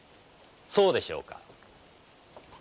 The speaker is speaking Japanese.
そうでしょうか？